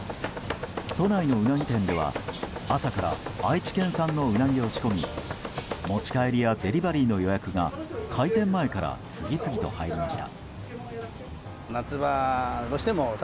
都内のウナギ店では朝から愛知県産のウナギを仕込み持ち帰りやデリバリーの予約が開店前から次々と入りました。